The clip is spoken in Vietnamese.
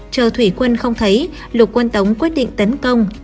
chờ thủy quân không thấy lục quân tống quyết định tấn công